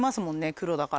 黒だから。